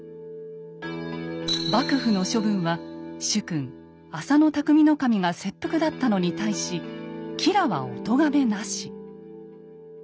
幕府の処分は主君・浅野内匠頭が切腹だったのに対し吉良はおとがめなし。